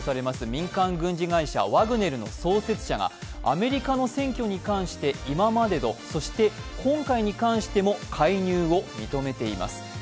民間軍事会社ワグネルの創設者がアメリカの選挙に関して今までと、そして今回に関しても介入を認めています。